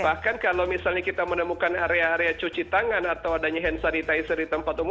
bahkan kalau misalnya kita menemukan area area cuci tangan atau adanya hand sanitizer di tempat umum